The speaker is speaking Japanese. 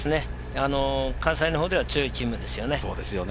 関西の方では強いチームですよね。